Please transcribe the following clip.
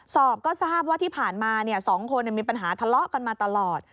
สอบก็ทราบว่าที่ผ่านมา๒คนมีปัญหาทะเลาะกันมาตลอด